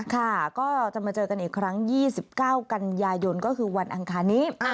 ค่ะก็จะมาเจอกันอีกครั้ง๒๙กันยายนก็คือวันอังคารนี้